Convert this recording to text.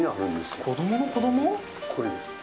これですね。